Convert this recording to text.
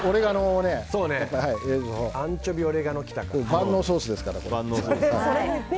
万能ソースですから。